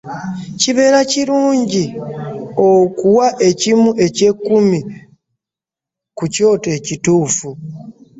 Kibeea kirunji okuwa ekimu eky'ekummu ku Kyoto ekituufu .